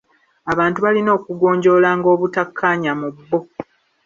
Abantu balina okugonjoolanga obutakkaanya mu bbo.